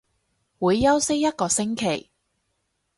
會休息一個星期